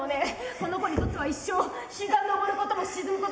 この子にとっては一生日が昇ることも沈むこともない。